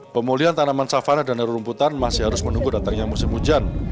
pemulihan tanaman safana dan rumputan masih harus menunggu datangnya musim hujan